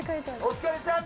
お疲れさん